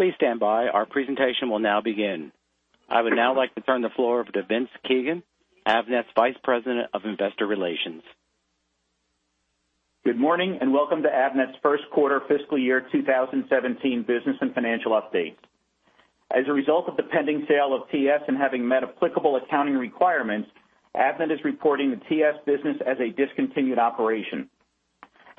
Please stand by. Our presentation will now begin. I would now like to turn the floor over to Vince Keenan, Avnet's Vice President of Investor Relations. Good morning, and welcome to Avnet's Q1 fiscal year 2017 business and financial update. As a result of the pending sale of TS and having met applicable accounting requirements, Avnet is reporting the TS business as a discontinued operation.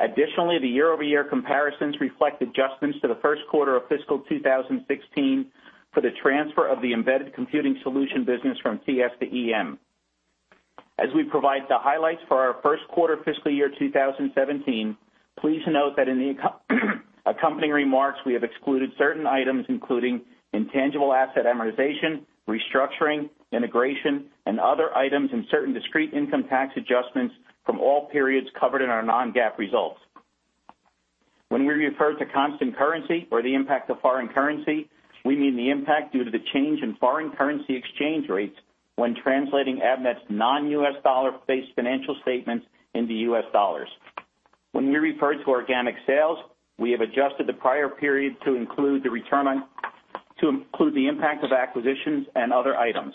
Additionally, the YoY comparisons reflect adjustments to the Q1 of fiscal 2016 for the transfer of the Embedded Computing Solutions business from TS to EM. As we provide the highlights for our Q1 fiscal year 2017, please note that in the accompanying remarks, we have excluded certain items, including intangible asset amortization, restructuring, integration, and other items, and certain discrete income tax adjustments from all periods covered in our non-GAAP results. When we refer to constant currency or the impact of foreign currency, we mean the impact due to the change in foreign currency exchange rates when translating Avnet's non-U.S. dollar-based financial statements into U.S. dollars. When we refer to organic sales, we have adjusted the prior period to include the impact of acquisitions and other items.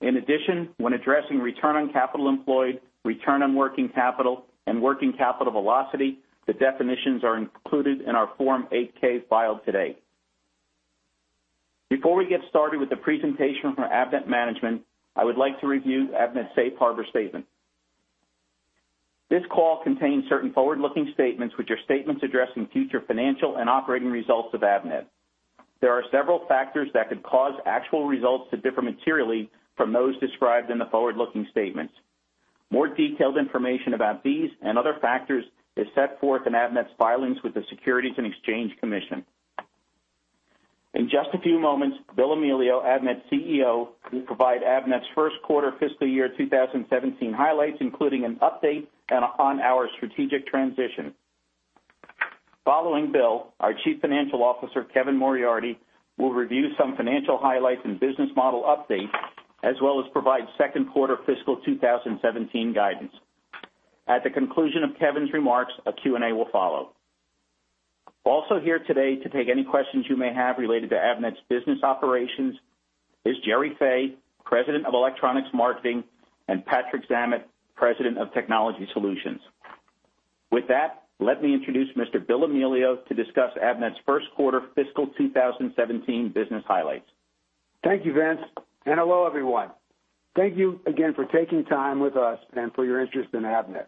In addition, when addressing return on capital employed, return on working capital, and working capital velocity, the definitions are included in our Form 8-K filed today. Before we get started with the presentation from Avnet management, I would like to review Avnet's safe harbor statement. This call contains certain forward-looking statements, which are statements addressing future financial and operating results of Avnet. There are several factors that could cause actual results to differ materially from those described in the forward-looking statements. More detailed information about these and other factors is set forth in Avnet's filings with the Securities and Exchange Commission. In just a few moments, Bill Amelio, Avnet's CEO, will provide Avnet's Q1 fiscal year 2017 highlights, including an update on our strategic transition. Following Bill, our Chief Financial Officer, Kevin Moriarty, will review some financial highlights and business model updates, as well as provide Q2 fiscal 2017 guidance. At the conclusion of Kevin's remarks, a Q&A will follow. Also here today, to take any questions you may have related to Avnet's business operations, is Gerry Fay, President of Electronics Marketing, and Patrick Zammit, President of Technology Solutions. With that, let me introduce Mr. Bill Amelio to discuss Avnet's Q1 fiscal 2017 business highlights. Thank you, Vince, and hello, everyone. Thank you again for taking time with us and for your interest in Avnet.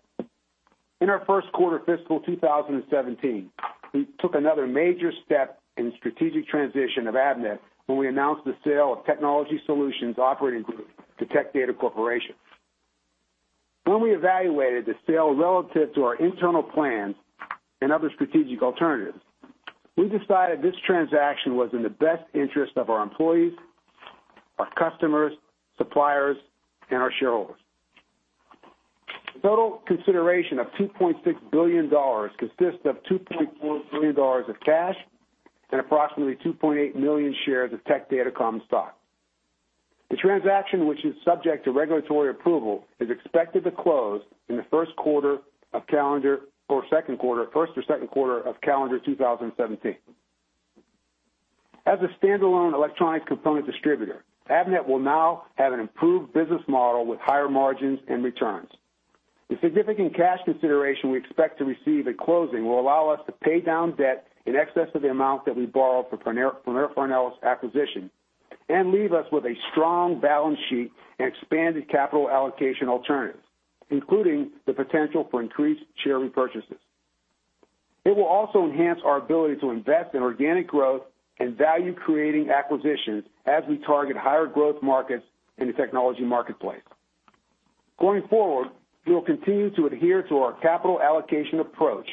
In our Q1, fiscal 2017, we took another major step in strategic transition of Avnet when we announced the sale of Technology Solutions operating group to Tech Data Corporation. When we evaluated the sale relative to our internal plans and other strategic alternatives, we decided this transaction was in the best interest of our employees, our customers, suppliers, and our shareholders. Total consideration of $2.6 billion consists of $2.4 billion of cash and approximately 2.8 million shares of Tech Data common stock. The transaction, which is subject to regulatory approval, is expected to close in the Q1 of calendar or Q2, first or Q2 of calendar 2017. As a standalone electronic component distributor, Avnet will now have an improved business model with higher margins and returns. The significant cash consideration we expect to receive at closing will allow us to pay down debt in excess of the amount that we borrowed for Premier Farnell's acquisition and leave us with a strong balance sheet and expanded capital allocation alternatives, including the potential for increased share repurchases. It will also enhance our ability to invest in organic growth and value-creating acquisitions as we target higher growth markets in the technology marketplace. Going forward, we will continue to adhere to our capital allocation approach,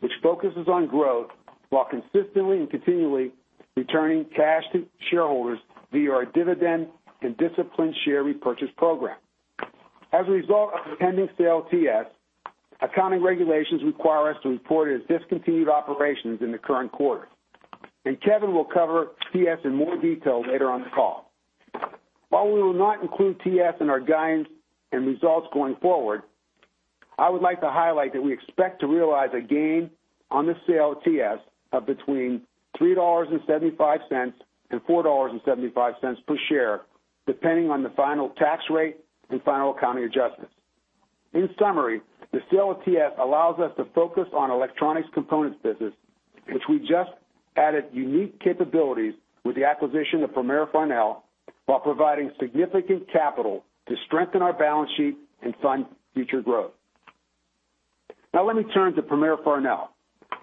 which focuses on growth while consistently and continually returning cash to shareholders via our dividend and disciplined share repurchase program. As a result of the pending sale of TS, accounting regulations require us to report as discontinued operations in the current quarter, and Kevin will cover TS in more detail later on the call. While we will not include TS in our guidance and results going forward, I would like to highlight that we expect to realize a gain on the sale of TS of between $3.75 and $4.75 per share, depending on the final tax rate and final accounting adjustments. In summary, the sale of TS allows us to focus on electronic components business, which we just added unique capabilities with the acquisition of Premier Farnell, while providing significant capital to strengthen our balance sheet and fund future growth. Now, let me turn to Premier Farnell.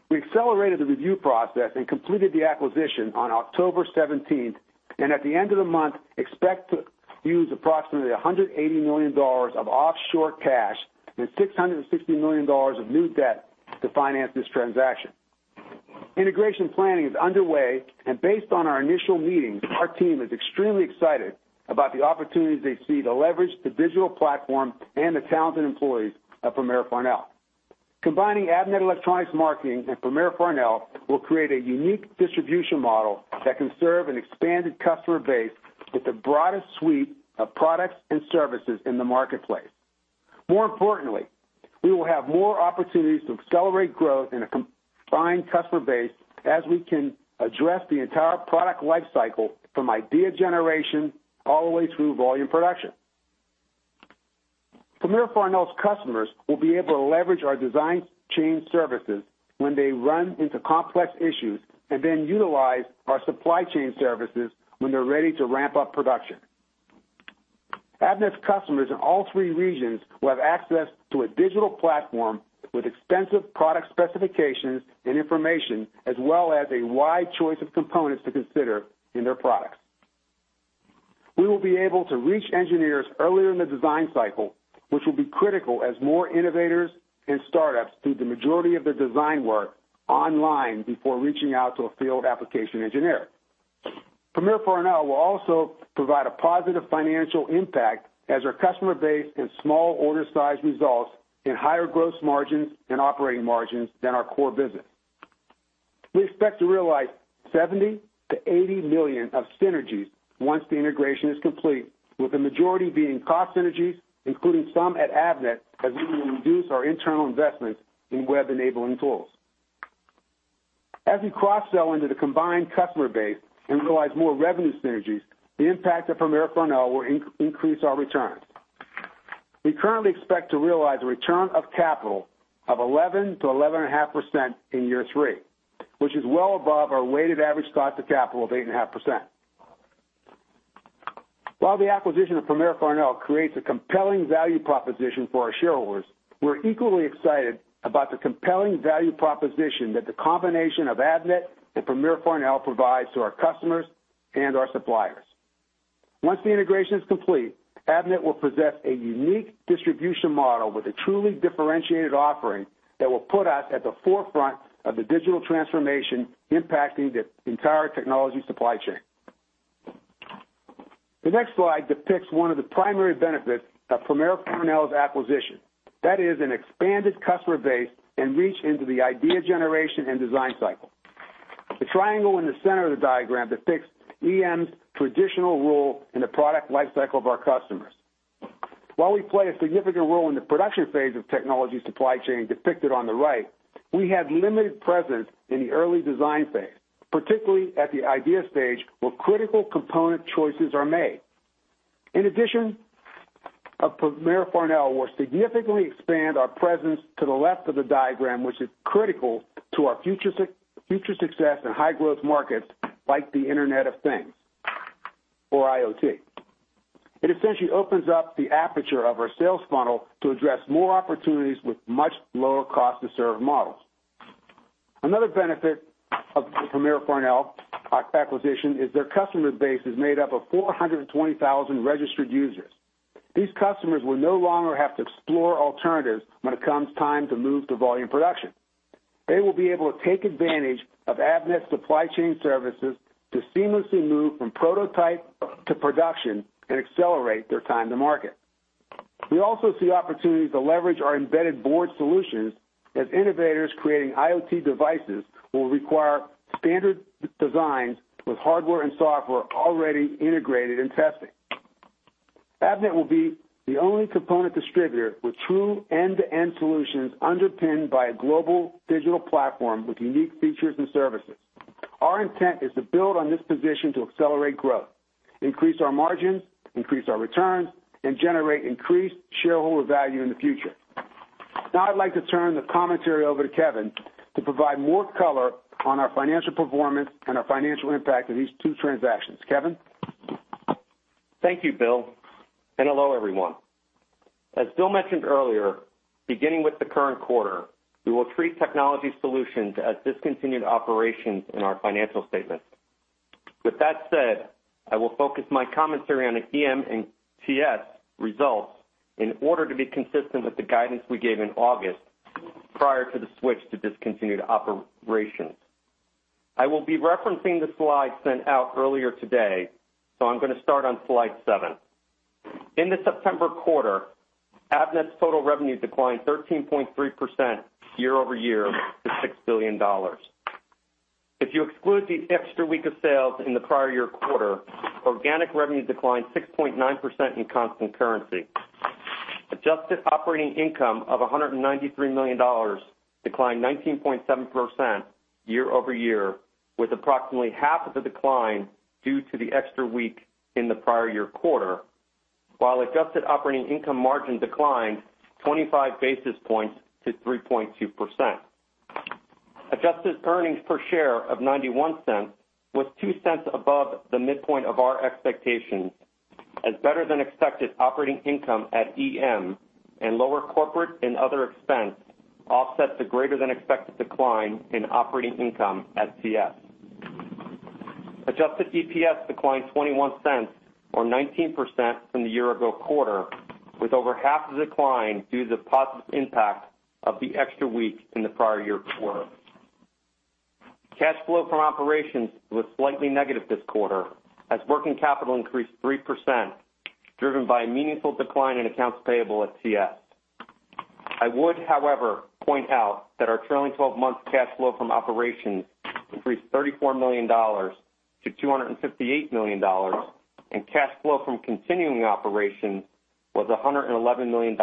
We accelerated the review process and completed the acquisition on October seventeenth, and at the end of the month, expect to use approximately $180 million of offshore cash and $660 million of new debt to finance this transaction. Integration planning is underway, and based on our initial meetings, our team is extremely excited about the opportunities they see to leverage the digital platform and the talented employees of Premier Farnell. Combining Avnet Electronics Marketing and Premier Farnell will create a unique distribution model that can serve an expanded customer base with the broadest suite of products and services in the marketplace. More importantly, we will have more opportunities to accelerate growth in a combined customer base as we can address the entire product life cycle from idea generation all the way through volume production. Premier Farnell's customers will be able to leverage our design chain services when they run into complex issues, and then utilize our supply chain services when they're ready to ramp up production. Avnet's customers in all three regions will have access to a digital platform with extensive product specifications and information, as well as a wide choice of components to consider in their products. We will be able to reach engineers earlier in the design cycle, which will be critical as more innovators and startups do the majority of the design work online before reaching out to a field application engineer. Premier Farnell will also provide a positive financial impact as our customer base and small order size results in higher gross margins and operating margins than our core business. We expect to realize $70 million-$80 million of synergies once the integration is complete, with the majority being cost synergies, including some at Avnet, as we will reduce our internal investments in web-enabling tools. As we cross-sell into the combined customer base and realize more revenue synergies, the impact of Premier Farnell will increase our returns. We currently expect to realize a return of capital of 11%-11.5% in year three, which is well above our weighted average cost of capital of 8.5%. While the acquisition of Premier Farnell creates a compelling value proposition for our shareholders, we're equally excited about the compelling value proposition that the combination of Avnet and Premier Farnell provides to our customers and our suppliers. Once the integration is complete, Avnet will possess a unique distribution model with a truly differentiated offering that will put us at the forefront of the digital transformation impacting the entire technology supply chain. The next slide depicts one of the primary benefits of Premier Farnell's acquisition. That is an expanded customer base and reach into the idea generation and design cycle. The triangle in the center of the diagram depicts EM's traditional role in the product life cycle of our customers. While we play a significant role in the production phase of technology supply chain depicted on the right, we have limited presence in the early design phase, particularly at the idea stage, where critical component choices are made. In addition, of Premier Farnell will significantly expand our presence to the left of the diagram, which is critical to our future success in high growth markets like the Internet of Things, or IoT. It essentially opens up the aperture of our sales funnel to address more opportunities with much lower cost to serve models. Another benefit of the Premier Farnell acquisition is their customer base is made up of 420,000 registered users. These customers will no longer have to explore alternatives when it comes time to move to volume production. They will be able to take advantage of Avnet's supply chain services to seamlessly move from prototype to production and accelerate their time to market. We also see opportunities to leverage our embedded board solutions as innovators creating IoT devices will require standard designs with hardware and software already integrated and tested. Avnet will be the only component distributor with true end-to-end solutions, underpinned by a global digital platform with unique features and services. Our intent is to build on this position to accelerate growth, increase our margins, increase our returns, and generate increased shareholder value in the future. Now I'd like to turn the commentary over to Kevin to provide more color on our financial performance and our financial impact of these two transactions. Kevin? Thank you, Bill, and hello, everyone. As Bill mentioned earlier, beginning with the current quarter, we will treat Technology Solutions as discontinued operations in our financial statements. With that said, I will focus my commentary on the EM and TS results in order to be consistent with the guidance we gave in August, prior to the switch to discontinued operations. I will be referencing the slides sent out earlier today, so I'm gonna start on slide 7. In the September quarter, Avnet's total revenue declined 13.3% YoY to $6 billion. If you exclude the extra week of sales in the prior year quarter, organic revenue declined 6.9% in constant currency. Adjusted operating income of $193 million declined 19.7% YoY, with approximately half of the decline due to the extra week in the prior year quarter, while adjusted operating income margin declined 25 basis points to 3.2%. Adjusted earnings per share of $0.91 was $0.02 above the midpoint of our expectations, as better than expected operating income at EM and lower corporate and other expense offset the greater than expected decline in operating income at TS. Adjusted EPS declined $0.21, or 19% from the year ago quarter, with over half the decline due to the positive impact of the extra week in the prior year quarter. Cash flow from operations was slightly negative this quarter as working capital increased 3%, driven by a meaningful decline in accounts payable at TS. I would, however, point out that our trailing twelve-month cash flow from operations increased $34 million to $258 million, and cash flow from continuing operations was $111 million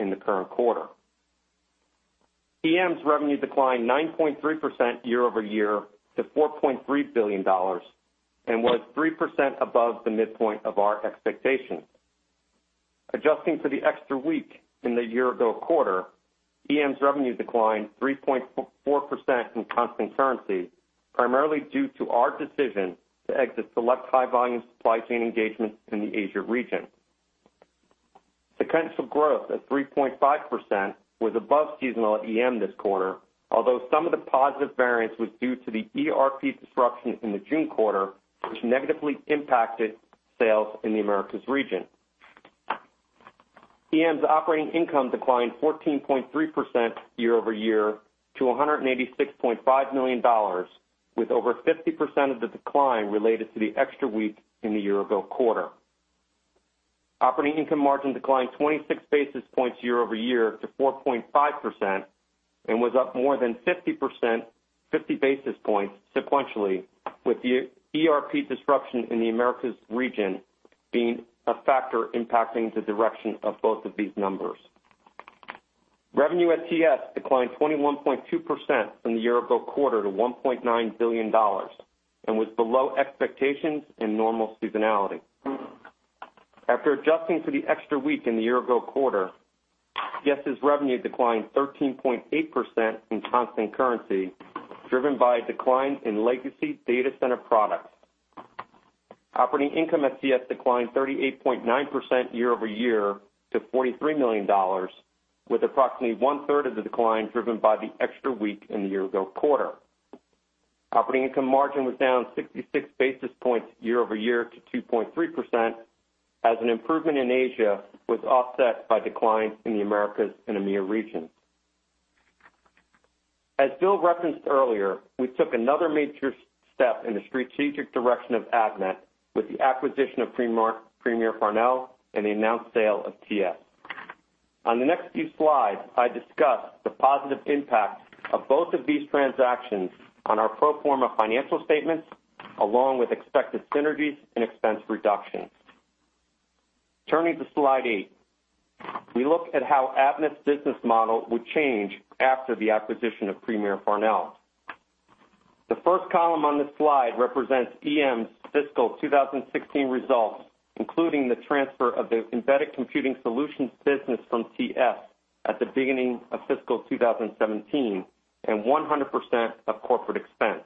in the current quarter. EM's revenue declined 9.3% YoY to $4.3 billion, and was 3% above the midpoint of our expectations. Adjusting to the extra week in the year-ago quarter, EM's revenue declined 3.4% in constant currency, primarily due to our decision to exit select high-volume supply chain engagements in the Asia region. Sequential growth at 3.5% was above seasonal at EM this quarter, although some of the positive variance was due to the ERP disruption in the June quarter, which negatively impacted sales in the Americas region. EM's operating income declined 14.3% YoY to $186.5 million, with over 50% of the decline related to the extra week in the year-ago quarter. Operating income margin declined 26 basis points YoY to 4.5%, and was up more than 50%, 50 basis points sequentially, with the ERP disruption in the Americas region being a factor impacting the direction of both of these numbers. Revenue at TS declined 21.2% from the year-ago quarter to $1.9 billion, and was below expectations and normal seasonality. After adjusting for the extra week in the year-ago quarter, TS's revenue declined 13.8% in constant currency, driven by a decline in legacy data center products. Operating income at TS declined 38.9% YoY to $43 million, with approximately one-third of the decline driven by the extra week in the year-ago quarter. Operating income margin was down 66 basis points YoY to 2.3%, as an improvement in Asia was offset by declines in the Americas and EMEA regions. As Bill referenced earlier, we took another major step in the strategic direction of Avnet with the acquisition of Premier Farnell, and the announced sale of TS. On the next few slides, I discuss the positive impacts of both of these transactions on our pro forma financial statements, along with expected synergies and expense reductions. Turning to slide 8, we look at how Avnet's business model would change after the acquisition of Premier Farnell. The first column on this slide represents EM's fiscal 2016 results, including the transfer of the Embedded Computing Solutions business from TS at the beginning of fiscal 2017, and 100% of corporate expense.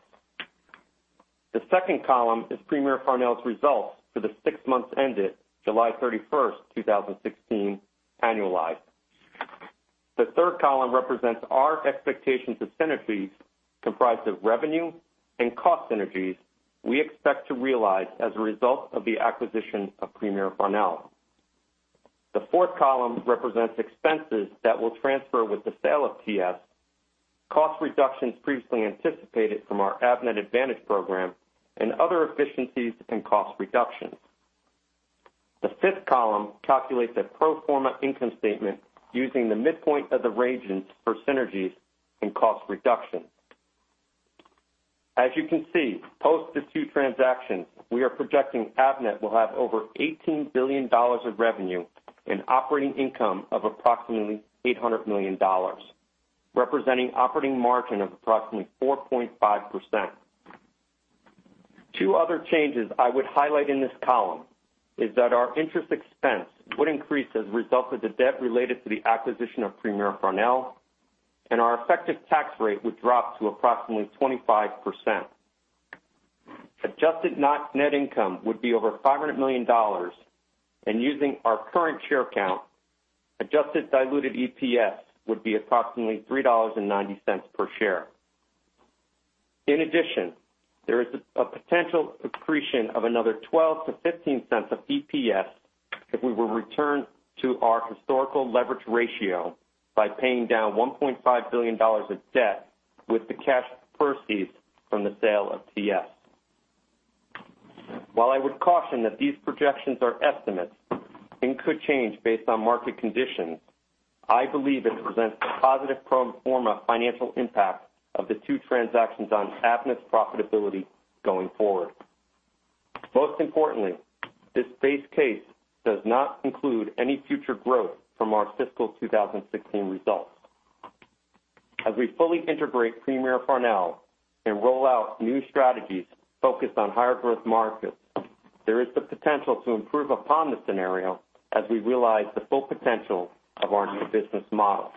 The second column is Premier Farnell's results for the six months ended July 31, 2016, annualized. The third column represents our expectations of synergies, comprised of revenue and cost synergies we expect to realize as a result of the acquisition of Premier Farnell. The fourth column represents expenses that will transfer with the sale of TS, cost reductions previously anticipated from our Avnet Advantage program, and other efficiencies and cost reductions. The fifth column calculates a pro forma income statement using the midpoint of the regions for synergies and cost reduction. As you can see, post the two transactions, we are projecting Avnet will have over $18 billion of revenue and operating income of approximately $800 million, representing operating margin of approximately 4.5%. Two other changes I would highlight in this column is that our interest expense would increase as a result of the debt related to the acquisition of Premier Farnell, and our effective tax rate would drop to approximately 25%. Adjusted net, net income would be over $500 million, and using our current share count, adjusted diluted EPS would be approximately $3.90 per share. In addition, there is a potential accretion of another 12-15 cents of EPS if we were to return to our historical leverage ratio by paying down $1.5 billion of debt with the cash proceeds from the sale of TS. While I would caution that these projections are estimates and could change based on market conditions, I believe it presents a positive pro forma financial impact of the two transactions on Avnet's profitability going forward. Most importantly, this base case does not include any future growth from our fiscal 2016 results. As we fully integrate Premier Farnell and roll out new strategies focused on higher growth markets, there is the potential to improve upon the scenario as we realize the full potential of our new business model.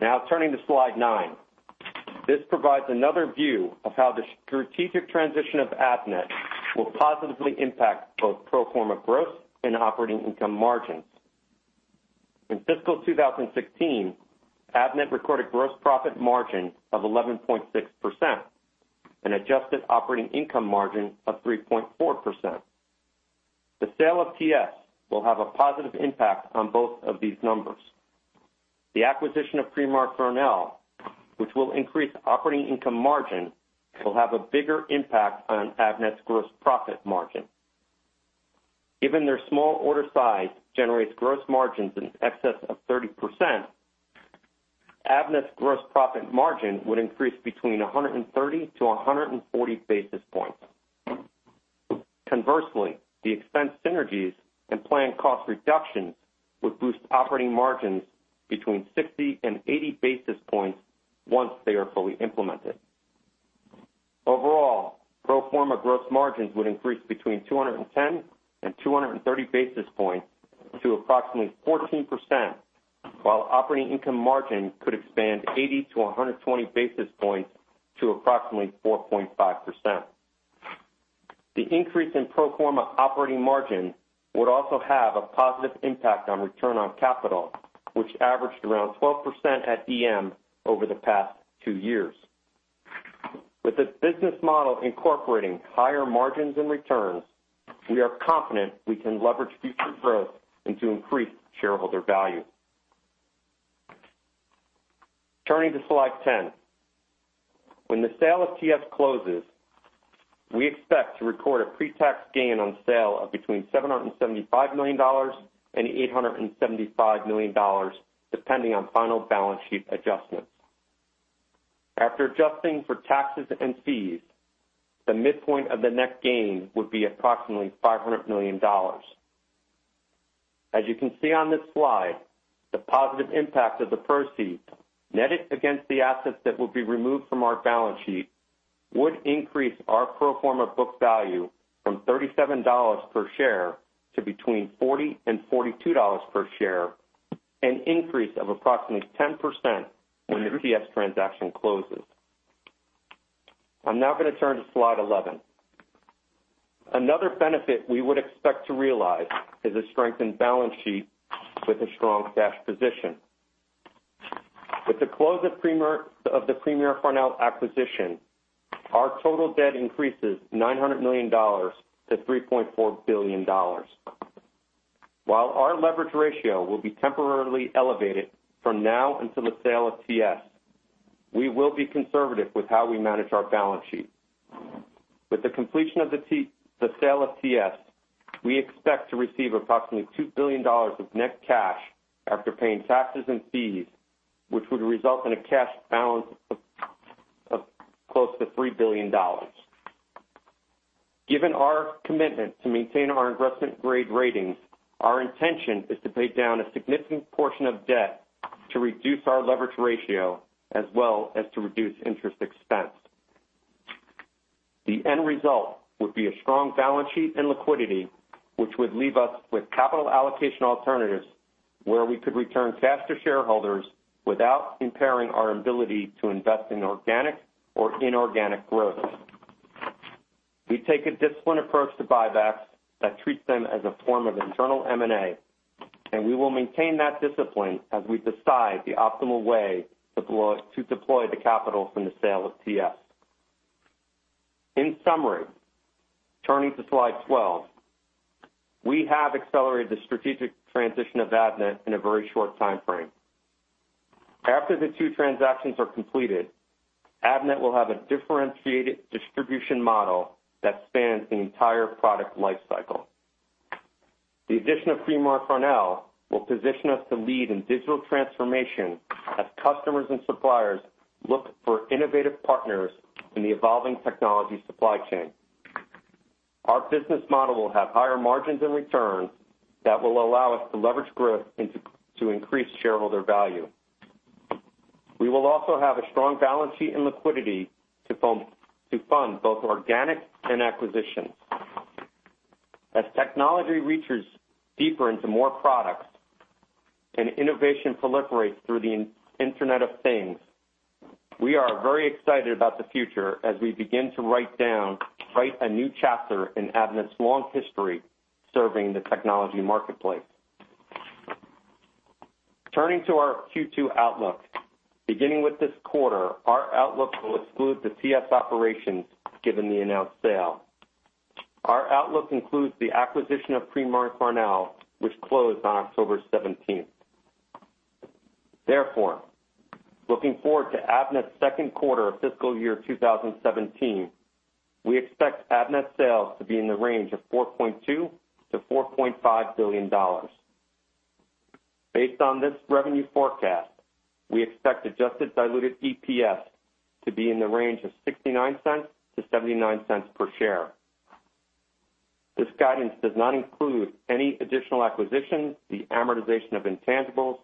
Now, turning to slide 9. This provides another view of how the strategic transition of Avnet will positively impact both pro forma growth and operating income margins. In fiscal 2016, Avnet recorded gross profit margin of 11.6% and adjusted operating income margin of 3.4%. The sale of TS will have a positive impact on both of these numbers. The acquisition of Premier Farnell, which will increase operating income margin, will have a bigger impact on Avnet's gross profit margin. Given their small order size generates gross margins in excess of 30%, Avnet's gross profit margin would increase between 130 to 140 basis points. Conversely, the expense synergies and planned cost reductions would boost operating margins between 60 and 80 basis points once they are fully implemented. Overall, pro forma gross margins would increase between 210 and 230 basis points to approximately 14%, while operating income margin could expand 80 to 120 basis points to approximately 4.5%. The increase in pro forma operating margin would also have a positive impact on return on capital, which averaged around 12% at EM over the past two years. With this business model incorporating higher margins and returns, we are confident we can leverage future growth and to increase shareholder value. Turning to slide 10. When the sale of TS closes, we expect to record a pretax gain on sale of between $775 million and $875 million, depending on final balance sheet adjustments. After adjusting for taxes and fees, the midpoint of the net gain would be approximately $500 million. As you can see on this slide, the positive impact of the proceeds, netted against the assets that will be removed from our balance sheet, would increase our pro forma book value from $37 per share to between $40 and $42 per share, an increase of approximately 10% when the TS transaction closes. I'm now going to turn to slide 11. Another benefit we would expect to realize is a strengthened balance sheet with a strong cash position. With the close of the Premier Farnell acquisition, our total debt increases $900 million to $3.4 billion. While our leverage ratio will be temporarily elevated from now until the sale of TS, we will be conservative with how we manage our balance sheet. With the completion of the sale of TS, we expect to receive approximately $2 billion of net cash after paying taxes and fees, which would result in a cash balance of close to $3 billion. Given our commitment to maintain our investment grade ratings, our intention is to pay down a significant portion of debt to reduce our leverage ratio, as well as to reduce interest expense. The end result would be a strong balance sheet and liquidity, which would leave us with capital allocation alternatives, where we could return cash to shareholders without impairing our ability to invest in organic or inorganic growth. We take a disciplined approach to buybacks that treat them as a form of internal M&A, and we will maintain that discipline as we decide the optimal way to deploy the capital from the sale of TS. In summary, turning to slide 12, we have accelerated the strategic transition of Avnet in a very short time frame. After the two transactions are completed, Avnet will have a differentiated distribution model that spans the entire product life cycle. The addition of Premier Farnell will position us to lead in digital transformation as customers and suppliers look for innovative partners in the evolving technology supply chain. Our business model will have higher margins and returns that will allow us to leverage growth to increase shareholder value. We will also have a strong balance sheet and liquidity to fund both organic and acquisitions. As technology reaches deeper into more products and innovation proliferates through the Internet of Things, we are very excited about the future as we begin to write a new chapter in Avnet's long history serving the technology marketplace. Turning to our Q2 outlook. Beginning with this quarter, our outlook will exclude the TS operations, given the announced sale. Our outlook includes the acquisition of Premier Farnell, which closed on October seventeenth. Therefore, looking forward to Avnet's Q2 of fiscal year 2017, we expect Avnet's sales to be in the range of $4.2 billion-$4.5 billion. Based on this revenue forecast, we expect adjusted diluted EPS to be in the range of $0.69-$0.79 per share. This guidance does not include any additional acquisitions, the amortization of intangibles,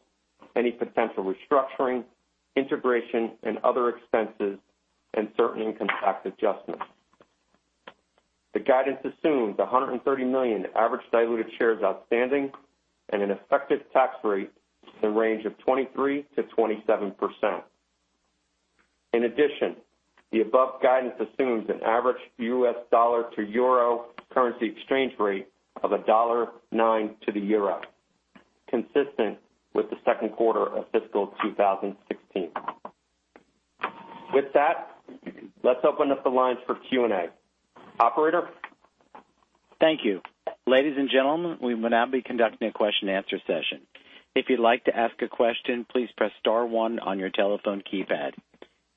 any potential restructuring, integration and other expenses, and certain income tax adjustments. The guidance assumes 130 million average diluted shares outstanding and an effective tax rate in the range of 23%-27%. In addition, the above guidance assumes an average U.S. dollar to euro currency exchange rate of $1.09 to the euro, consistent with the Q2 of fiscal 2016. ...With that, let's open up the lines for Q&A. Operator? Thank you. Ladies and gentlemen, we will now be conducting a question-and-answer session. If you'd like to ask a question, please press star one on your telephone keypad.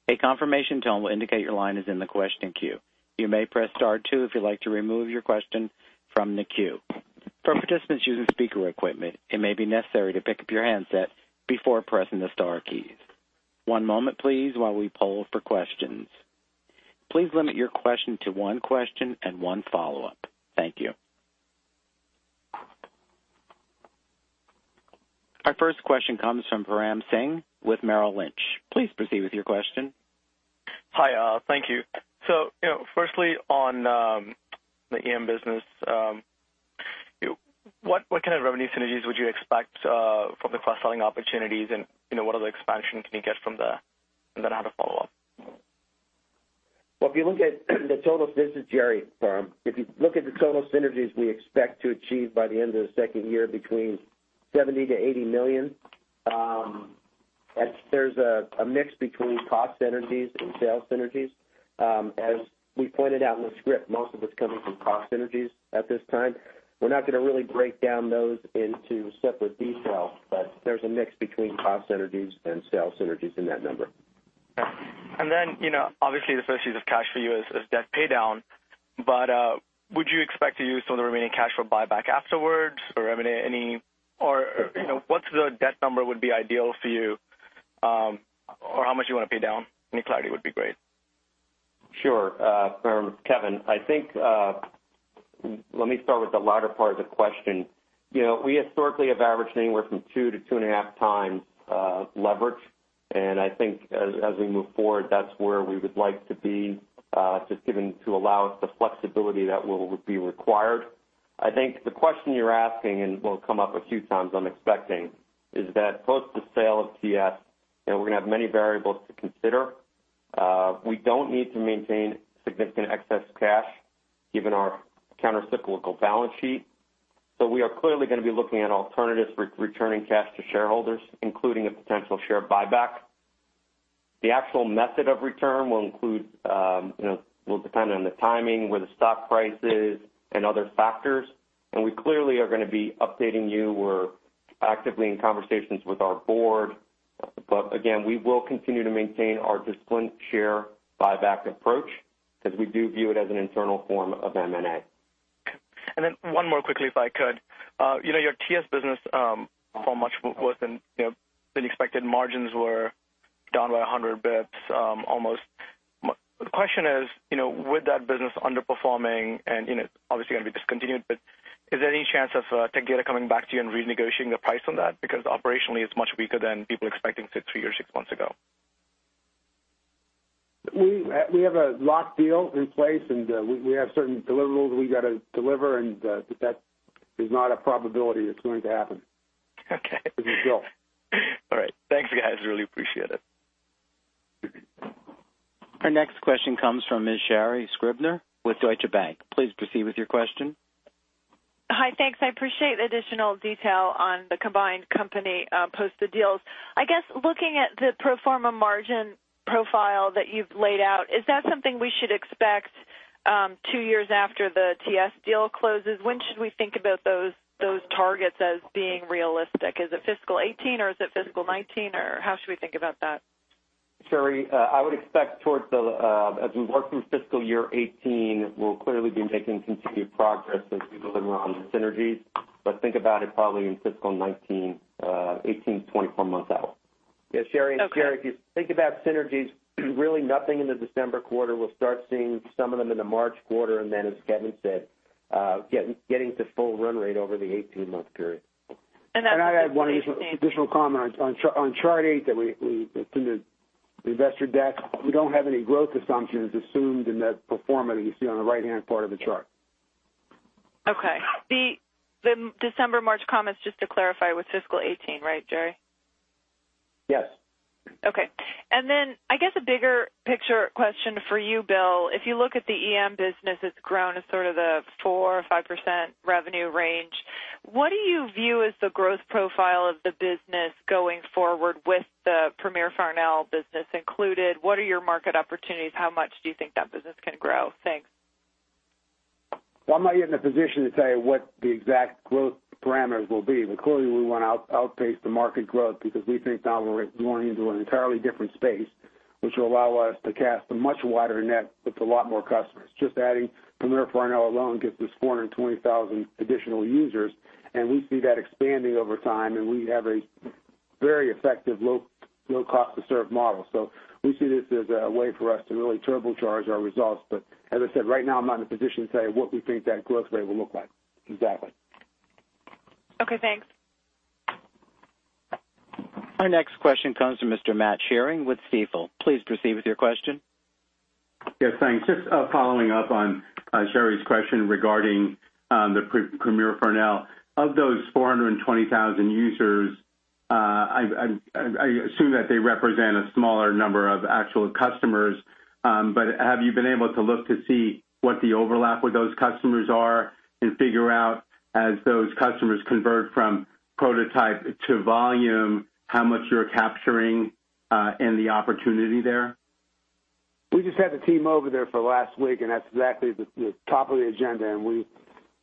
A confirmation tone will indicate your line is in the question queue. You may press star two if you'd like to remove your question from the queue. For participants using speaker equipment, it may be necessary to pick up your handset before pressing the star keys. One moment, please, while we poll for questions. Please limit your question to one question and one follow-up. Thank you. Our first question comes from Parm Singh with Merrill Lynch. Please proceed with your question. Hi, thank you. So, you know, firstly, on the EM business, what kind of revenue synergies would you expect from the cross-selling opportunities? And, you know, what other expansion can you get from there? And then I have a follow-up. Well, if you look at the total, this is Gerry, Parm. If you look at the total synergies we expect to achieve by the end of the second year, between $70 million-$80 million. That's, there's a mix between cost synergies and sales synergies. As we pointed out in the script, most of it's coming from cost synergies at this time. We're not gonna really break down those into separate detail, but there's a mix between cost synergies and sales synergies in that number. And then, you know, obviously, the first use of cash for you is debt paydown, but would you expect to use some of the remaining cash for buyback afterwards or eliminate any or, you know, what's the debt number would be ideal for you, or how much you want to pay down? Any clarity would be great. Sure. Parm, Kevin, I think, let me start with the latter part of the question. You know, we historically have averaged anywhere from 2 to 2.5 times leverage. And I think as, as we move forward, that's where we would like to be, just given to allow us the flexibility that will be required. I think the question you're asking, and will come up a few times, I'm expecting, is that post the sale of TS, you know, we're gonna have many variables to consider. We don't need to maintain significant excess cash, given our countercyclical balance sheet. So we are clearly gonna be looking at alternatives for returning cash to shareholders, including a potential share buyback. The actual method of return will include, you know, will depend on the timing, where the stock price is, and other factors, and we clearly are gonna be updating you. We're actively in conversations with our board. But again, we will continue to maintain our disciplined share buyback approach because we do view it as an internal form of M&A. Then one more quickly, if I could. You know, your TS business far much worse than, you know, than expected. Margins were down by 100 bips, almost. The question is, you know, with that business underperforming and, you know, obviously going to be discontinued, but is there any chance of Tech Data coming back to you and renegotiating the price on that? Because operationally, it's much weaker than people expecting it three or six months ago. We have a locked deal in place, and we have certain deliverables we got to deliver, and that is not a probability. It's going to happen. Okay. It's a deal. All right. Thanks, guys. Really appreciate it. Our next question comes from Ms. Sherri Scribner with Deutsche Bank. Please proceed with your question. Hi. Thanks. I appreciate the additional detail on the combined company, post the deals. I guess, looking at the pro forma margin profile that you've laid out, is that something we should expect, two years after the TS deal closes? When should we think about those, those targets as being realistic? Is it fiscal 2018 or is it fiscal 2019, or how should we think about that? Sherri, I would expect towards the, as we work through fiscal year 2018, we'll clearly be making continued progress as we deliver on the synergies. But think about it, probably in fiscal 2019, 18 months-24 months out. Okay. Yeah, Sherri, if you think about synergies, really nothing in the December quarter. We'll start seeing some of them in the March quarter, and then, as Kevin said, getting to full run rate over the 18-month period. And then- I had one additional comment on chart eight, that we, in the investor deck, don't have any growth assumptions assumed in that pro forma that you see on the right-hand part of the chart. Okay. The December, March comments, just to clarify, was fiscal 2018, right, Gerry? Yes. Okay. And then I guess a bigger picture question for you, Bill. If you look at the EM business, it's grown to sort of the 4%-5% revenue range. What do you view as the growth profile of the business going forward with the Premier Farnell business included? What are your market opportunities? How much do you think that business can grow? Thanks. Well, I'm not yet in a position to tell you what the exact growth parameters will be, but clearly, we want to outpace the market growth because we think now we're going into an entirely different space, which will allow us to cast a much wider net with a lot more customers. Just adding Premier Farnell alone gets us 420,000 additional users, and we see that expanding over time, and we have a very effective, low cost to serve model. So we see this as a way for us to really turbocharge our results. But as I said, right now, I'm not in a position to say what we think that growth rate will look like exactly. Okay, thanks. Our next question comes from Mr. Matt Sheerin with Stifel. Please proceed with your question. Yes, thanks. Just following up on Sherri's question regarding Premier Farnell. Of those 420,000 users, I assume that they represent a smaller number of actual customers. But have you been able to look to see what the overlap with those customers are and figure out, as those customers convert from prototype to volume, how much you're capturing, and the opportunity there? ...We just had the team over there for the last week, and that's exactly the top of the agenda, and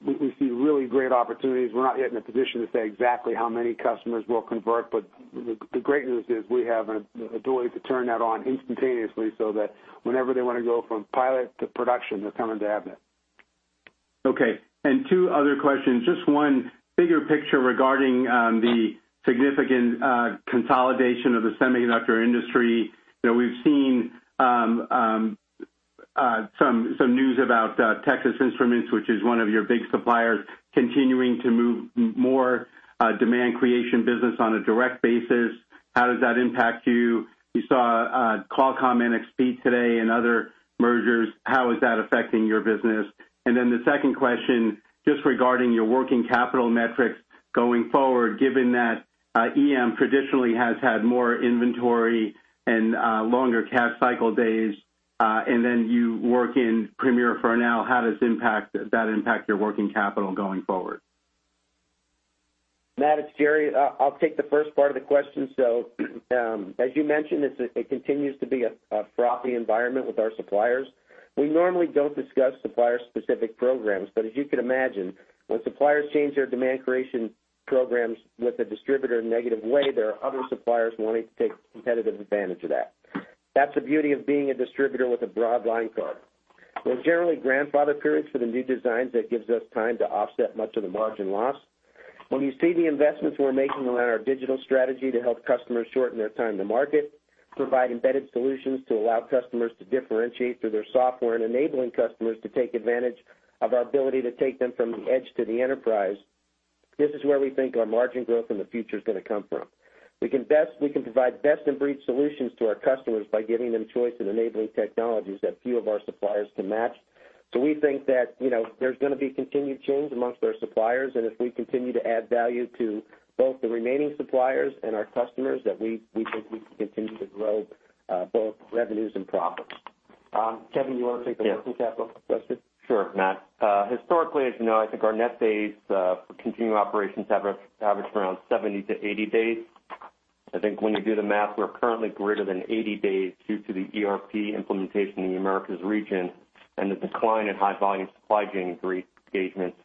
we see really great opportunities. We're not yet in a position to say exactly how many customers will convert, but the great news is we have the ability to turn that on instantaneously so that whenever they want to go from pilot to production, they're coming to Avnet. Okay. Two other questions. Just one bigger picture regarding the significant consolidation of the semiconductor industry. You know, we've seen some news about Texas Instruments, which is one of your big suppliers, continuing to move more demand creation business on a direct basis. How does that impact you? You saw Qualcomm NXP today and other mergers. How is that affecting your business? And then the second question, just regarding your working capital metrics going forward, given that EM traditionally has had more inventory and longer cash cycle days, and then you work in Premier Farnell, how does that impact your working capital going forward? Matt, it's Gerry. I'll take the first part of the question. So, as you mentioned, it's a, it continues to be a, a frothy environment with our suppliers. We normally don't discuss supplier-specific programs, but as you can imagine, when suppliers change their demand creation programs with a distributor in a negative way, there are other suppliers wanting to take competitive advantage of that. That's the beauty of being a distributor with a broad line card. We generally grandfather periods for the new designs, that gives us time to offset much of the margin loss. When you see the investments we're making around our digital strategy to help customers shorten their time to market, provide embedded solutions to allow customers to differentiate through their software, and enabling customers to take advantage of our ability to take them from the edge to the enterprise, this is where we think our margin growth in the future is gonna come from. We can provide best-in-breed solutions to our customers by giving them choice and enabling technologies that few of our suppliers can match. So we think that, you know, there's gonna be continued change amongst our suppliers, and if we continue to add value to both the remaining suppliers and our customers, that we, we think we can continue to grow both revenues and profits. Kevin, you want to take the working capital question? Sure, Matt. Historically, as you know, I think our net days for continuing operations average, average around 70-80 days. I think when you do the math, we're currently greater than 80 days due to the ERP implementation in the Americas region and the decline in high volume supply chain engagements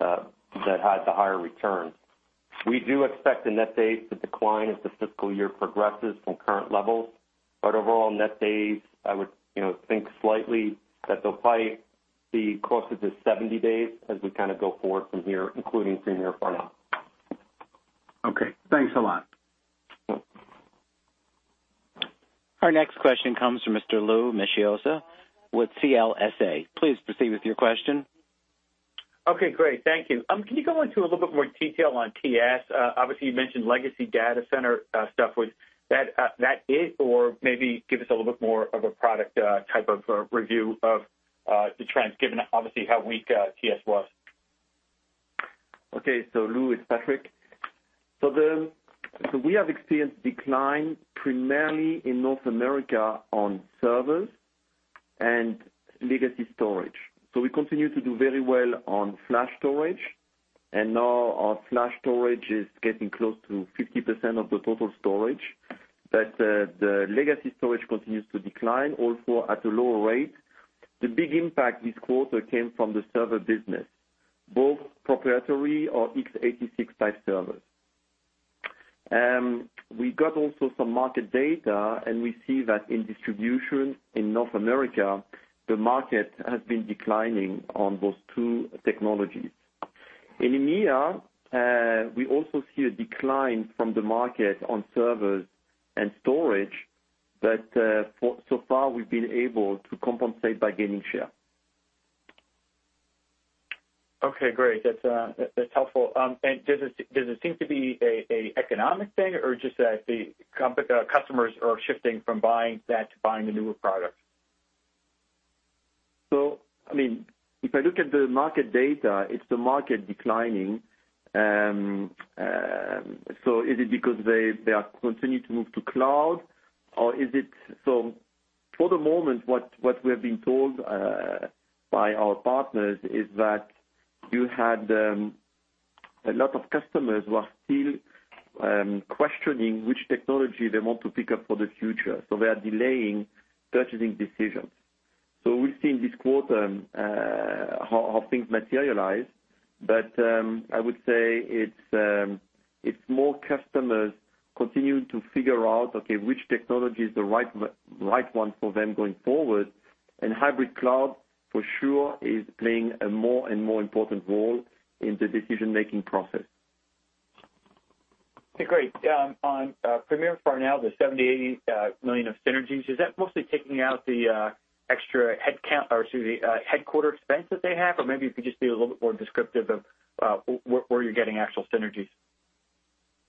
that had the higher returns. We do expect the net days to decline as the fiscal year progresses from current levels, but overall, net days, I would, you know, think slightly that they'll probably be closer to 70 days as we kind of go forward from here, including Premier Farnell. Okay, thanks a lot. Our next question comes from Mr. Louis Miscioscia with CLSA. Please proceed with your question. Okay, great. Thank you. Can you go into a little bit more detail on TS? Obviously, you mentioned legacy data center stuff, or maybe give us a little bit more of a product type of review of the trends, given obviously, how weak TS was. Okay, so Louis, it's Patrick. So we have experienced decline primarily in North America on servers and legacy storage. So we continue to do very well on flash storage, and now our flash storage is getting close to 50% of the total storage, but the legacy storage continues to decline, although at a lower rate. The big impact this quarter came from the server business, both proprietary or x86 type servers. We got also some market data, and we see that in distribution in North America, the market has been declining on those two technologies. In EMEA, we also see a decline from the market on servers and storage, but for so far, we've been able to compensate by gaining share. Okay, great. That's, that's helpful. And does it seem to be a economic thing, or just that the customers are shifting from buying that to buying the newer products? So, I mean, if I look at the market data, it's the market declining. So is it because they, they are continuing to move to cloud, or is it... So for the moment, what we have been told by our partners is that you had a lot of customers who are still questioning which technology they want to pick up for the future, so they are delaying purchasing decisions. So we've seen this quarter, how things materialize, but I would say it's it's more customers continuing to figure out, okay, which technology is the right right one for them going forward. And hybrid cloud, for sure, is playing a more and more important role in the decision-making process. Okay, great. On Premier Farnell, the $70 million-$80 million of synergies, is that mostly taking out the extra headcount, or excuse me, headquarters expense that they have? Or maybe you could just be a little bit more descriptive of where you're getting actual synergies.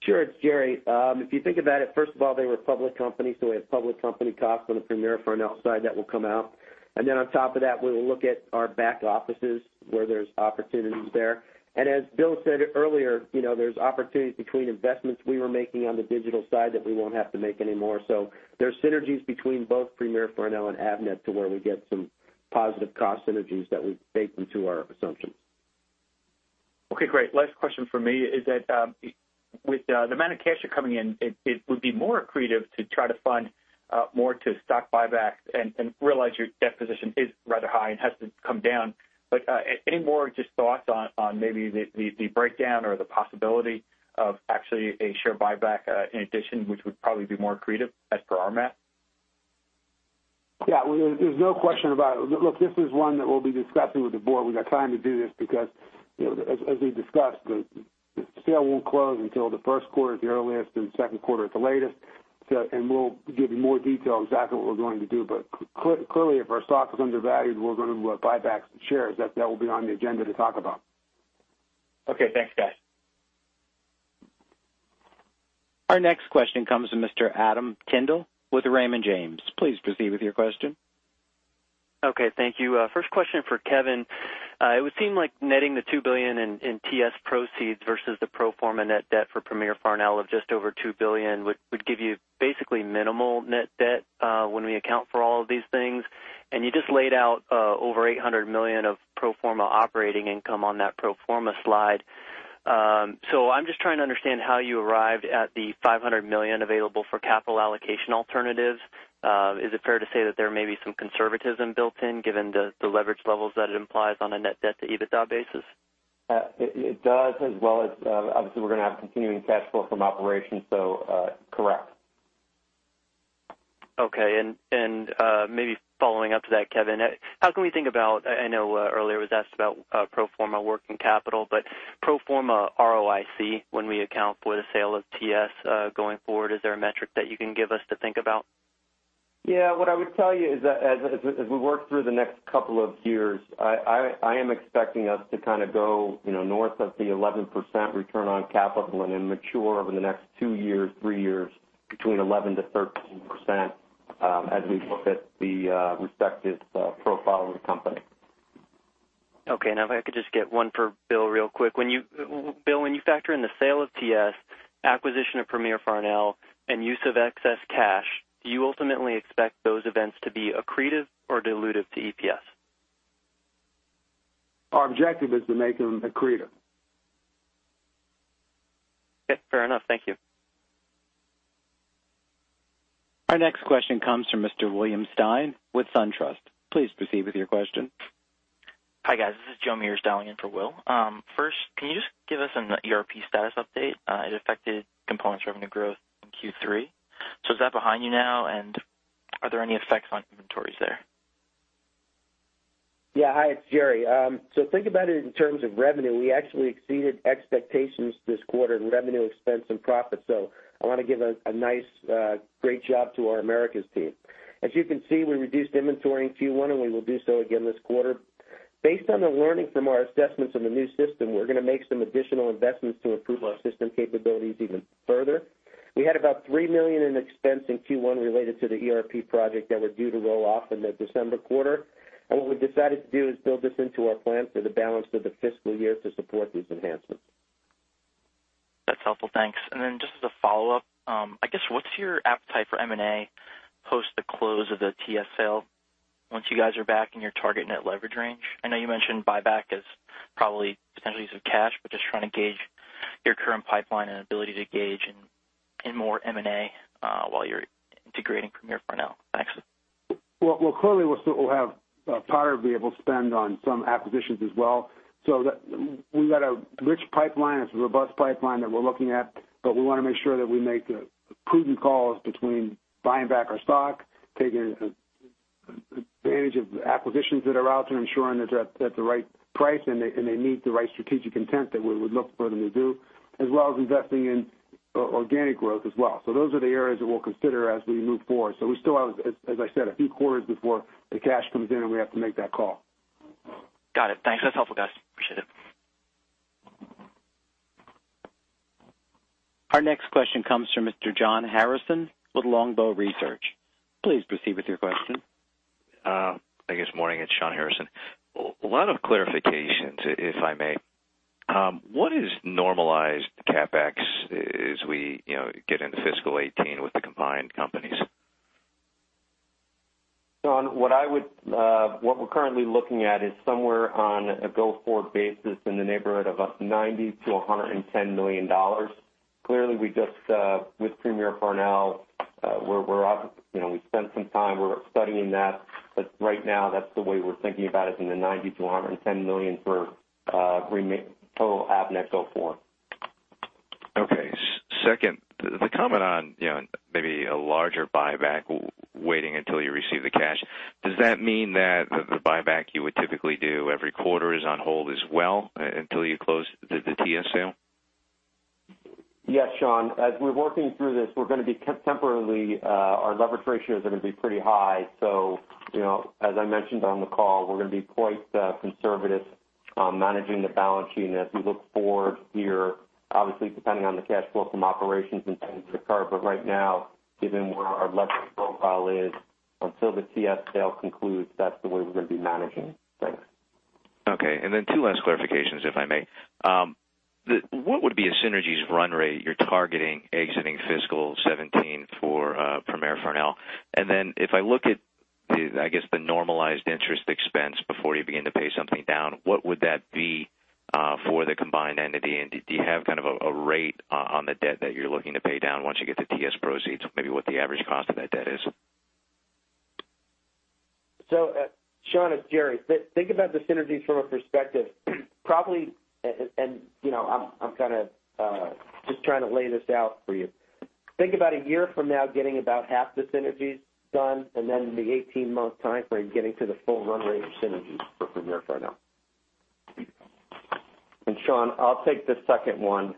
Sure. It's Gerry. If you think about it, first of all, they were a public company, so we had public company costs on the Premier Farnell side that will come out. And then on top of that, we will look at our back offices where there's opportunities there. And as Bill said earlier, you know, there's opportunities between investments we were making on the digital side that we won't have to make anymore. So there's synergies between both Premier Farnell and Avnet to where we get some positive cost synergies that we've baked into our assumptions.... Okay, great. Last question for me is that, with the amount of cash you're coming in, it would be more accretive to try to fund more to stock buybacks and realize your debt position is rather high and has to come down. But any more just thoughts on maybe the breakdown or the possibility of actually a share buyback in addition, which would probably be more accretive as per our math? Yeah, well, there's no question about it. Look, this is one that we'll be discussing with the board. We got time to do this because, you know, as we discussed, the sale won't close until the Q1 at the earliest, and Q2 at the latest. So, we'll give you more detail on exactly what we're going to do. But clearly, if our stock is undervalued, we're gonna buy back some shares. That will be on the agenda to talk about. Okay, thanks, guys. Our next question comes from Mr. Adam Tindle with Raymond James. Please proceed with your question. Okay, thank you. First question for Kevin. It would seem like netting the $2 billion in TS proceeds versus the pro forma net debt for Premier Farnell of just over $2 billion would give you basically minimal net debt when we account for all of these things. And you just laid out over $800 million of pro forma operating income on that pro forma slide. So I'm just trying to understand how you arrived at the $500 million available for capital allocation alternatives. Is it fair to say that there may be some conservatism built in given the leverage levels that it implies on a net debt-to-EBITDA basis? It, it does, as well as, obviously, we're gonna have continuing cash flow from operations, so, correct. Okay. Maybe following up to that, Kevin, how can we think about... I know earlier was asked about pro forma working capital, but pro forma ROIC, when we account for the sale of TS, going forward, is there a metric that you can give us to think about? Yeah, what I would tell you is that as we work through the next couple of years, I am expecting us to kind of go, you know, north of the 11% return on capital and then mature over the next two years, three years, between 11%-13%, as we look at the respective profile of the company. Okay. Now, if I could just get one for Bill real quick. When you, Bill, when you factor in the sale of TS, acquisition of Premier Farnell, and use of excess cash, do you ultimately expect those events to be accretive or dilutive to EPS? Our objective is to make them accretive. Okay, fair enough. Thank you. Our next question comes from Mr. William Stein with SunTrust. Please proceed with your question. Hi, guys. This is Joe Meares dialing in for Will. First, can you just give us an ERP status update? It affected components revenue growth in Q3. So is that behind you now, and are there any effects on inventories there? Yeah. Hi, it's Gerry. So think about it in terms of revenue. We actually exceeded expectations this quarter in revenue, expense, and profit, so I want to give a nice great job to our Americas team. As you can see, we reduced inventory in Q1, and we will do so again this quarter. Based on the learning from our assessments on the new system, we're gonna make some additional investments to improve our system capabilities even further. We had about $3 million in expense in Q1 related to the ERP project that were due to roll off in the December quarter, and what we've decided to do is build this into our plan for the balance of the fiscal year to support these enhancements. That's helpful. Thanks. And then just as a follow-up, I guess, what's your appetite for M&A post the close of the TS sale once you guys are back in your target net leverage range? I know you mentioned buyback as probably potentially use of cash, but just trying to gauge your current pipeline and ability to engage in more M&A while you're integrating Premier Farnell. Thanks. Well, well, clearly, we'll still have power to be able to spend on some acquisitions as well. So we've got a rich pipeline, it's a robust pipeline that we're looking at, but we wanna make sure that we make the prudent calls between buying back our stock, taking a advantage of the acquisitions that are out there, ensuring that they're at the right price, and they meet the right strategic intent that we would look for them to do, as well as investing in organic growth as well. So those are the areas that we'll consider as we move forward. So we still have, as I said, a few quarters before the cash comes in, and we have to make that call. Got it. Thanks. That's helpful, guys. Appreciate it. Our next question comes from Mr. Shawn Harrison with Longbow Research. Please proceed with your question. I guess, morning, it's Shawn Harrison. A lot of clarifications, if I may. What is normalized CapEx as we, you know, get into fiscal 2018 with the combined companies? Shawn, what we're currently looking at is somewhere on a go-forward basis in the neighborhood of up $90 million-$110 million. Clearly, we just, with Premier Farnell, we're, we're up, you know, we spent some time, we're studying that, but right now, that's the way we're thinking about it, in the $90 million-$110 million for remaining total Avnet go forward. Okay. Second, the comment on, you know, maybe a larger buyback, waiting until you receive the cash, does that mean that the buyback you would typically do every quarter is on hold as well, until you close the, the TS sale? Yes, Shawn. As we're working through this, we're gonna be temporarily, our leverage ratios are gonna be pretty high. So, you know, as I mentioned on the call, we're gonna be quite conservative on managing the balance sheet. And as we look forward here, obviously depending on the cash flow from operations and things of the sort, but right now, given where our leverage profile is, until the TS sale concludes, that's the way we're gonna be managing. Thanks. Okay, and then two last clarifications, if I may. What would be a synergies run rate you're targeting exiting fiscal '17 for Premier Farnell? And then if I look at the, I guess, the normalized interest expense before you begin to pay something down, what would that be for the combined entity? And do you have kind of a rate on the debt that you're looking to pay down once you get the TS proceeds, maybe what the average cost of that debt is? So, Shawn, it's Gerry. Think about the synergies from a perspective, probably, and, and, you know, I'm kind of just trying to lay this out for you. Think about a year from now getting about half the synergies done, and then the 18-month time frame getting to the full run rate of synergies for Premier Farnell. And, Shawn, I'll take the second one.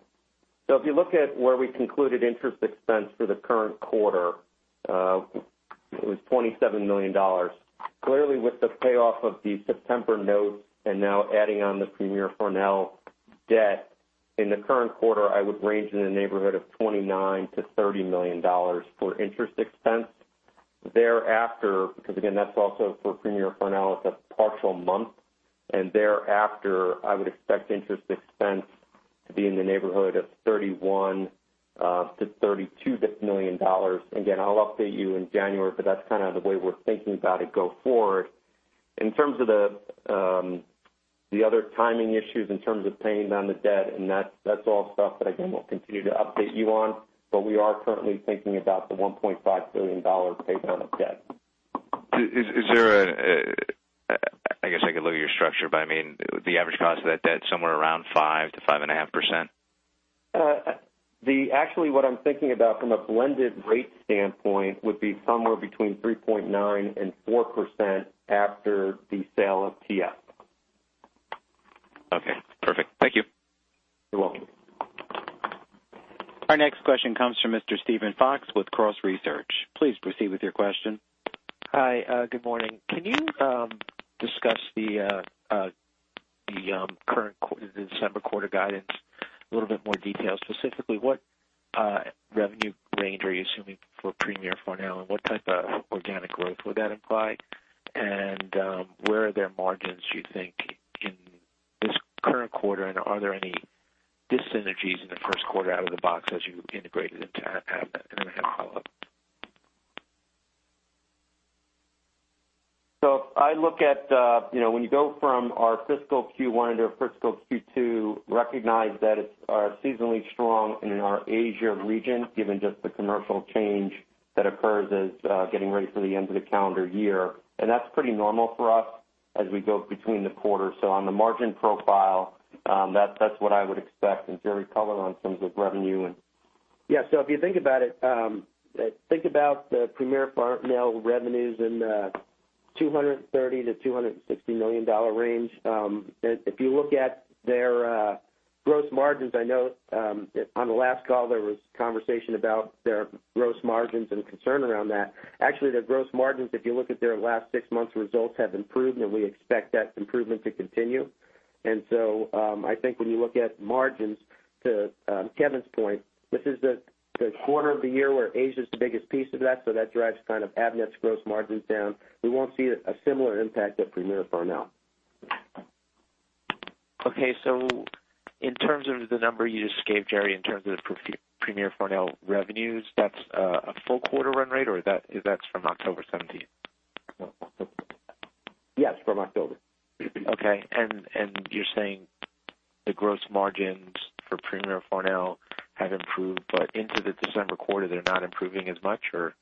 So if you look at where we concluded interest expense for the current quarter, it was $27 million. Clearly, with the payoff of the September note and now adding on the Premier Farnell debt, in the current quarter, I would range in the neighborhood of $29 million-$30 million for interest expense. Thereafter, because, again, that's also for Premier Farnell, it's a partial month, and thereafter, I would expect interest expense to be in the neighborhood of $31 million-$32 million. Again, I'll update you in January, but that's kind of the way we're thinking about it go forward. In terms of the other timing issues, in terms of paying down the debt, and that's all stuff that, again, we'll continue to update you on, but we are currently thinking about the $1.5 billion pay down of debt. Is there, I guess I could look at your structure, but, I mean, the average cost of that debt somewhere around 5%-5.5%? Actually, what I'm thinking about from a blended rate standpoint would be somewhere between 3.9% and 4% after the sale of TS. Okay, perfect. Thank you. You're welcome. Our next question comes from Mr. Steven Fox with Cross Research. Please proceed with your question. Hi, good morning. Can you discuss the current December quarter guidance a little bit more detail? Specifically, what revenue range are you assuming for Premier Farnell, and what type of organic growth would that imply? And, where are their margins, you think, in this current quarter, and are there any dis-synergies in the Q1 out of the box as you integrate it into Avnet? And I have a follow-up. So I look at, you know, when you go from our fiscal Q1 into our fiscal Q2, recognize that it's seasonally strong in our Asia region, given just the commercial change that occurs as getting ready for the end of the calendar year. And that's pretty normal for us as we go between the quarters. So on the margin profile, that's, that's what I would expect. And Gerry, comment on terms of revenue and- Yeah, so if you think about it, think about the Premier Farnell revenues in the $230 million-$260 million range. If you look at their gross margins, I know on the last call, there was conversation about their gross margins and concern around that. Actually, their gross margins, if you look at their last six months results have improved, and we expect that improvement to continue. And so, I think when you look at margins, to Kevin's point, this is the quarter of the year where Asia is the biggest piece of that, so that drives kind of Avnet's gross margins down. We won't see a similar impact at Premier Farnell. Okay, so in terms of the number you just gave, Gerry, in terms of the Premier Farnell revenues, that's a full quarter run rate, or that's from October 2017? Yes, from October. Okay. And you're saying the gross margins for Premier Farnell have improved, but into the December quarter, they're not improving as much, or?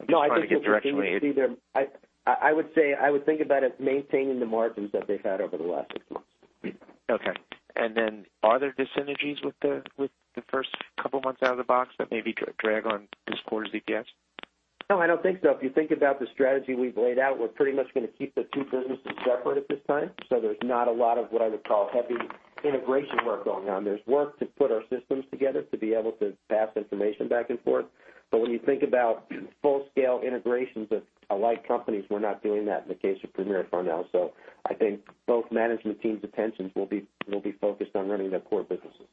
I'm just trying to get directionally- No, I think, I would say, I would think about it maintaining the margins that they've had over the last six months. Okay. And then are there dis-synergies with the, with the first couple of months out of the box that maybe drag on this quarter's EPS? No, I don't think so. If you think about the strategy we've laid out, we're pretty much going to keep the two businesses separate at this time. So there's not a lot of what I would call heavy integration work going on. There's work to put our systems together to be able to pass information back and forth. But when you think about full-scale integrations of alike companies, we're not doing that in the case of Premier Farnell. So I think both management teams' attentions will be, will be focused on running their core businesses.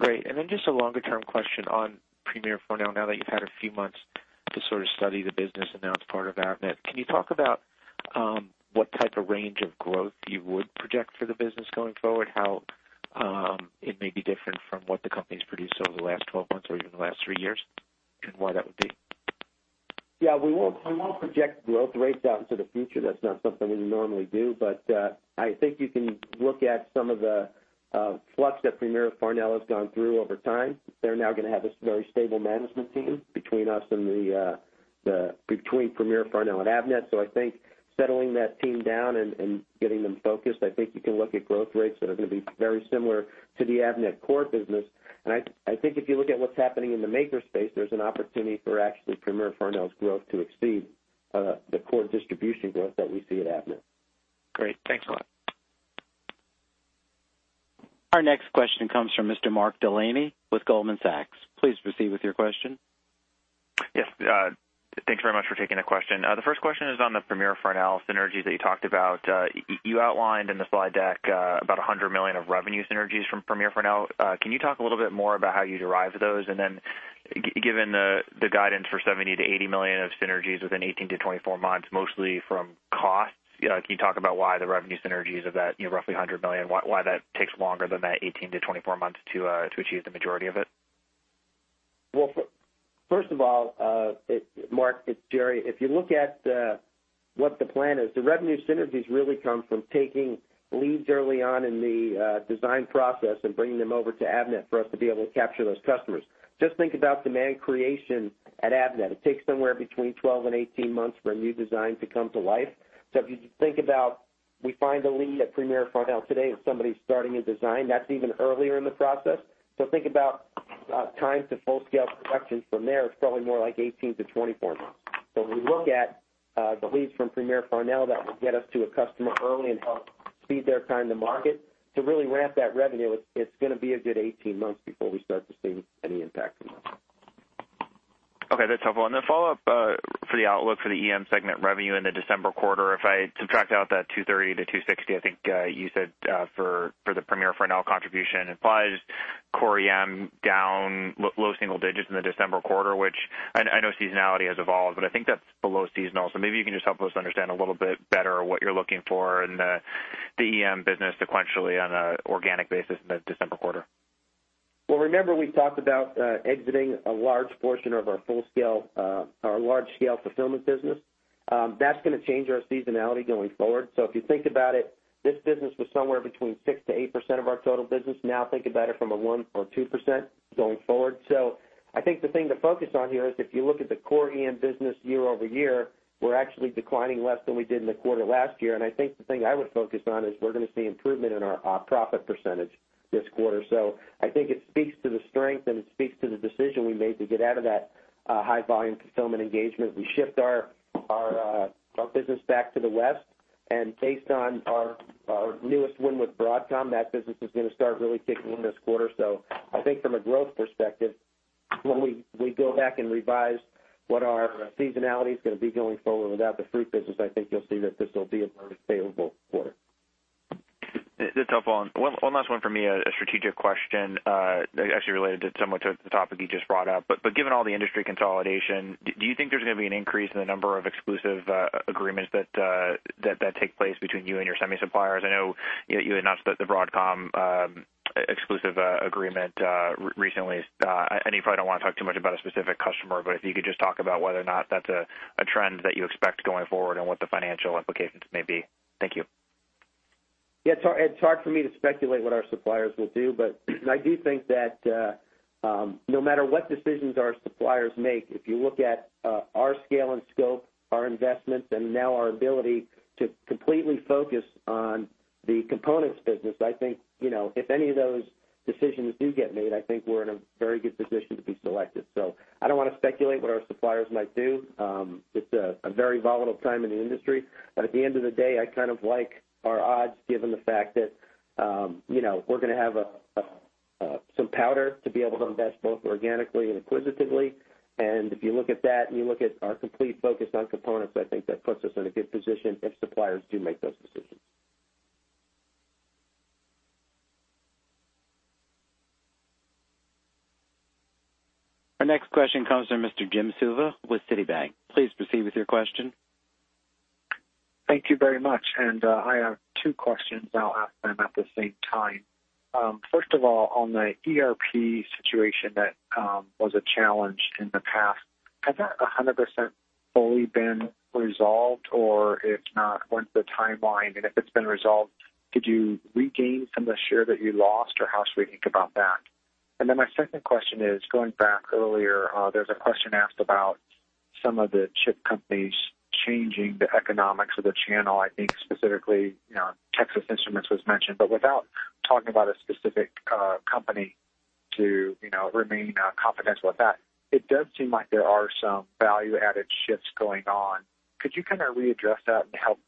Great. And then just a longer-term question on Premier Farnell. Now that you've had a few months to sort of study the business and now it's part of Avnet, can you talk about what type of range of growth you would project for the business going forward? How it may be different from what the company's produced over the last 12 months or even the last three years, and why that would be? Yeah, we won't, we won't project growth rates out into the future. That's not something we normally do, but I think you can look at some of the flux that Premier Farnell has gone through over time. They're now going to have a very stable management team between Premier Farnell and Avnet. So I think settling that team down and getting them focused, I think you can look at growth rates that are going to be very similar to the Avnet core business. And I think if you look at what's happening in the Maker space, there's an opportunity for actually Premier Farnell's growth to exceed the core distribution growth that we see at Avnet. Great. Thanks a lot. Our next question comes from Mr. Mark Delaney with Goldman Sachs. Please proceed with your question. Yes, thanks very much for taking the question. The first question is on the Premier Farnell synergy that you talked about. You outlined in the slide deck about $100 million of revenue synergies from Premier Farnell. Can you talk a little bit more about how you derive those? And then, given the guidance for $70 million-$80 million of synergies within 18-24 months, mostly from costs, can you talk about why the revenue synergies of that, you know, roughly $100 million, why that takes longer than that 18-24 months to achieve the majority of it? Well, first of all, Mark, it's Gerry. If you look at what the plan is, the revenue synergies really come from taking leads early on in the design process and bringing them over to Avnet for us to be able to capture those customers. Just think about demand creation at Avnet. It takes somewhere between 12 and 18 months for a new design to come to life. So if you think about, we find a lead at Premier Farnell today, if somebody's starting a design, that's even earlier in the process. So think about time to full scale production from there, it's probably more like 18 months-24 months. So when we look at the leads from Premier Farnell, that will get us to a customer early and help speed their time to market. To really ramp that revenue, it's gonna be a good 18 months before we start to see any impact from that. Okay, that's helpful. And then follow up for the outlook for the EM segment revenue in the December quarter. If I subtract out that $230-$260, I think you said for the Premier Farnell contribution, implies core EM down low single digits in the December quarter, which I know seasonality has evolved, but I think that's below seasonal. So maybe you can just help us understand a little bit better what you're looking for in the EM business sequentially on an organic basis in the December quarter. Well, remember, we talked about exiting a large portion of our full-scale, our large-scale fulfillment business. That's gonna change our seasonality going forward. So if you think about it, this business was somewhere between 6%-8% of our total business. Now think about it from a 1% or 2% going forward. So I think the thing to focus on here is if you look at the core EM business YoY, we're actually declining less than we did in the quarter last year. And I think the thing I would focus on is we're gonna see improvement in our, our profit percentage this quarter. So I think it speaks to the strength, and it speaks to the decision we made to get out of that, high-volume fulfillment engagement. We shift our business back to the West, and based on our newest win with Broadcom, that business is gonna start really kicking in this quarter. So I think from a growth perspective, when we go back and revise what our seasonality is gonna be going forward without the fruit business, I think you'll see that this will be a more favorable quarter. That's helpful. And one last one for me, a strategic question, actually related to somewhat to the topic you just brought up. But given all the industry consolidation, do you think there's gonna be an increase in the number of exclusive agreements that take place between you and your semi suppliers? I know you announced the Broadcom exclusive agreement recently. I know you probably don't want to talk too much about a specific customer, but if you could just talk about whether or not that's a trend that you expect going forward and what the financial implications may be. Thank you. Yeah, it's hard, it's hard for me to speculate what our suppliers will do, but I do think that, no matter what decisions our suppliers make, if you look at, our scale and scope, our investments, and now our ability to completely focus on the components business, I think, you know, if any of those decisions do get made, I think we're in a very good position to be selected. So I don't wanna speculate what our suppliers might do. It's a very volatile time in the industry, but at the end of the day, I kind of like our odds, given the fact that, you know, we're gonna have some powder to be able to invest both organically and acquisitively. If you look at that and you look at our complete focus on components, I think that puts us in a good position if suppliers do make those decisions. Our next question comes from Mr. Jim Suva with Citibank. Please proceed with your question. Thank you very much. I have two questions. I'll ask them at the same time. First of all, on the ERP situation, that was a challenge in the past, has that 100% fully been resolved, or if not, what's the timeline? And if it's been resolved, did you regain some of the share that you lost, or how should we think about that? And then my second question is, going back earlier, there's a question asked about some of the chip companies changing the economics of the channel. I think specifically, you know, Texas Instruments was mentioned, but without talking about a specific company to, you know, remain confidential with that, it does seem like there are some value-added shifts going on. Could you kind of readdress that and help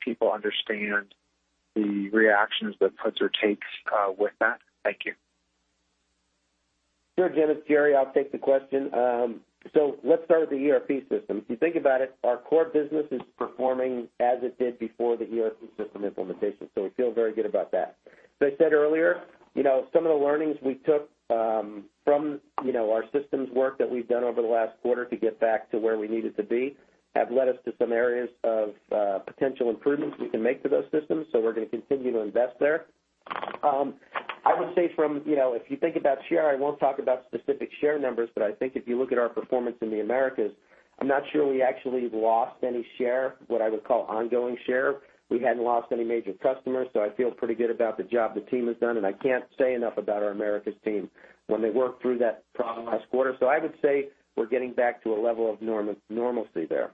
people understand the reactions, the puts or takes, with that? Thank you. Sure, Jim, it's Gerry. I'll take the question. So let's start with the ERP system. If you think about it, our core business is performing as it did before the ERP system implementation, so we feel very good about that. As I said earlier, you know, some of the learnings we took from, you know, our systems work that we've done over the last quarter to get back to where we needed to be, have led us to some areas of potential improvements we can make to those systems. So we're gonna continue to invest there. I would say from, you know, if you think about share, I won't talk about specific share numbers, but I think if you look at our performance in the Americas, I'm not sure we actually lost any share, what I would call ongoing share. We hadn't lost any major customers, so I feel pretty good about the job the team has done, and I can't say enough about our Americas team when they worked through that problem last quarter. So I would say we're getting back to a level of normalcy there.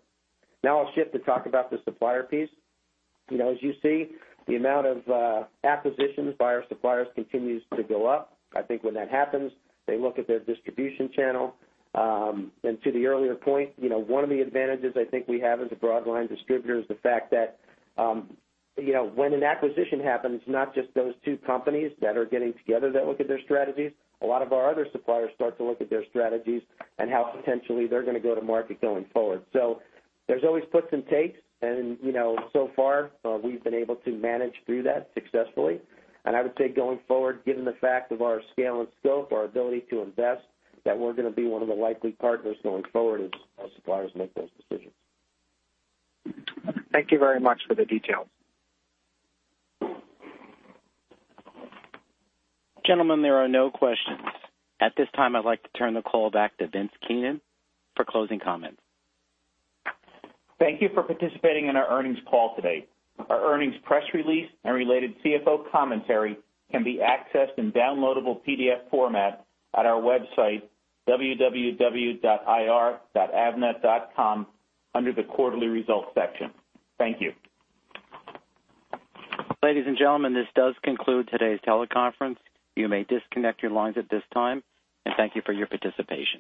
Now I'll shift to talk about the supplier piece. You know, as you see, the amount of acquisitions by our suppliers continues to go up. I think when that happens, they look at their distribution channel. And to the earlier point, you know, one of the advantages I think we have as a broadline distributor is the fact that, you know, when an acquisition happens, it's not just those two companies that are getting together that look at their strategies. A lot of our other suppliers start to look at their strategies and how potentially they're gonna go to market going forward. So there's always puts and takes, and, you know, so far, we've been able to manage through that successfully. And I would say, going forward, given the fact of our scale and scope, our ability to invest, that we're gonna be one of the likely partners going forward as our suppliers make those decisions. Thank you very much for the detail. Gentlemen, there are no questions. At this time, I'd like to turn the call back to Vince Keenan for closing comments. Thank you for participating in our earnings call today. Our earnings press release and related CFO commentary can be accessed in downloadable PDF format at our website, www.ir.avnet.com, under the Quarterly Results section. Thank you. Ladies and gentlemen, this does conclude today's teleconference. You may disconnect your lines at this time, and thank you for your participation.